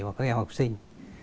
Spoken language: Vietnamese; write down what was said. và các em học sinh